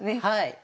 はい。